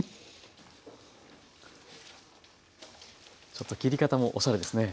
ちょっと切り方もおしゃれですね。